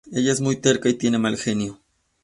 Ella es muy terca y tiene mal genio.